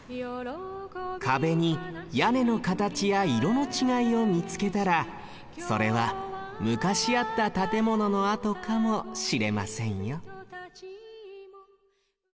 かべにやねのかたちやいろのちがいをみつけたらそれはむかしあった建物のあとかもしれませんよ